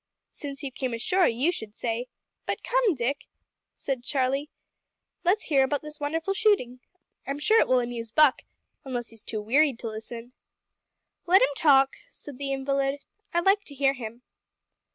"Since you came ashore, you should say. But come, Dick," said Charlie, "let's hear about this wonderful shooting. I'm sure it will amuse Buck unless he's too wearied to listen." "Let him talk," said the invalid. "I like to hear him."